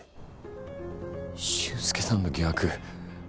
俊介さんの疑惑